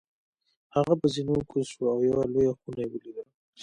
هغه په زینو کوز شو او یوه لویه خونه یې ولیده.